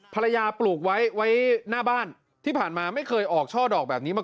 ปลูกไว้ไว้หน้าบ้านที่ผ่านมาไม่เคยออกช่อดอกแบบนี้มา